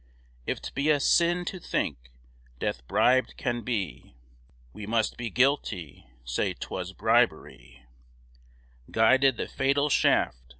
If 't be a sin to think Death brib'd can be We must be guilty; say 'twas bribery Guided the fatal shaft.